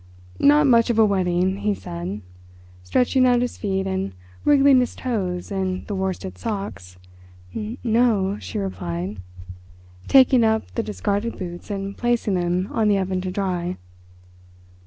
"Not much of a wedding," he said, stretching out his feet and wriggling his toes in the worsted socks. "N—no," she replied, taking up the discarded boots and placing them on the oven to dry.